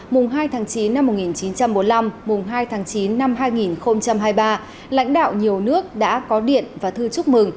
mùng hai tháng chín năm một nghìn chín trăm bốn mươi năm mùng hai tháng chín năm hai nghìn hai mươi ba lãnh đạo nhiều nước đã có điện và thư chúc mừng